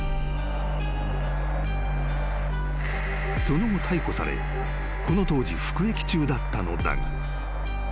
［その後逮捕されこの当時服役中だったのだが］